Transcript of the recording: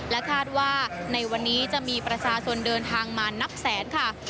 คาดว่าในวันนี้จะมีประชาชนเดินทางมานับแสนค่ะ